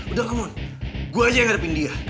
udah gak mohon gue aja yang ngarepin dia